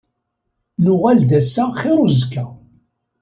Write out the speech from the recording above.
Nuɣal-d ass-a xiṛ uzekka.